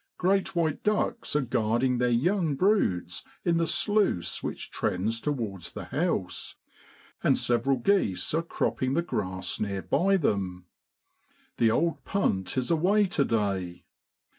Great white ducks are guarding their young broods in the sluice which trends towards the house, and several geese are cropping the grass near by them. The old punt is away to day.